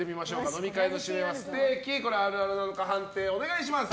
飲み会の締めはステーキあるあるなのかお願いします。